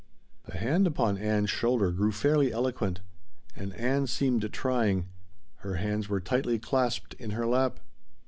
'" The hand upon Ann's shoulder grew fairly eloquent. And Ann seemed trying. Her hands were tightly clasped in her lap.